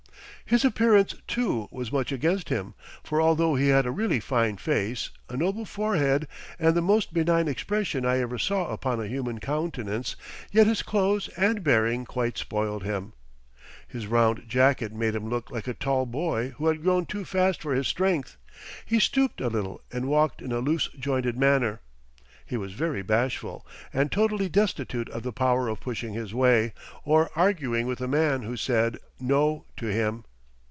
His appearance, too, was much against him, for although he had a really fine face, a noble forehead, and the most benign expression I ever saw upon a human countenance, yet his clothes and bearing quite spoiled him. His round jacket made him look like a tall boy who had grown too fast for his strength; he stooped a little and walked in a loose jointed manner. He was very bashful, and totally destitute of the power of pushing his way, or arguing with a man who said "No" to him.